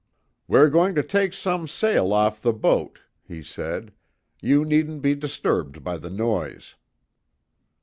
"We're going to take some sail off the boat," he said. "You needn't be disturbed by the noise."